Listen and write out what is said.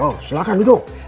oh silakan duduk